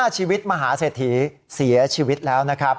๕ชีวิตมหาเสถียชีวิตแล้วนะครับ